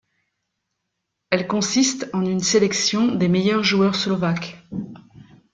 Elle consiste en une sélection des meilleurs joueurs slovaques.